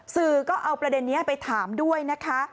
สื่อก็เอาประเด็นนี้ไปถามด้วยนะคะ